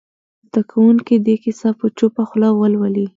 زده کوونکي دې کیسه په چوپه خوله ولولي.